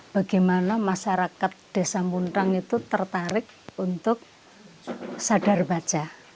bagaimana masyarakat desa mundrang itu tertarik untuk sadar baca